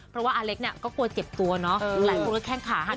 เพราะว่าอาเล็กเนี่ยก็กลัวเจ็บตัวเนาะหลายคนก็แข้งขาหัก